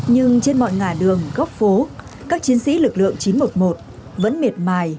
nhưng trên mọi ngả đường góc phố các chiến sĩ lực lượng chín trăm một mươi một vẫn miệt mài